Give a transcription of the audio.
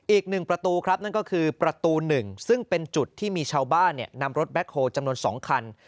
อีก๑ประตูครับนั่นก็คือประตู๑ซึ่งเป็นจุดที่มีชาวบ้านนำรถแบ็คโฮลจำนวน๒คัน